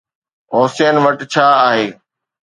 حوثين وٽ ڇا آهي؟